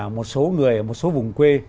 một số người ở một số vùng quê